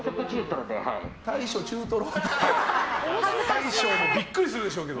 大将もビックリするでしょうけど。